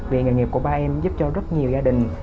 vì nghề nghiệp của ba em giúp cho rất nhiều gia đình